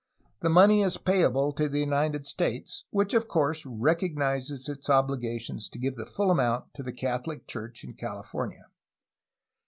The money is payable to the United States, which of course recognizes its obUgation to give the full amount to the CathoHc Church in California.